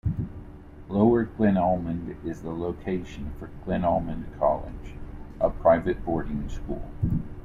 Lower Glenalmond is the location for Glenalmond College, a private boarding school.